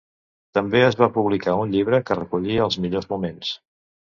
També es va publicar un llibre que recollia els millors moments.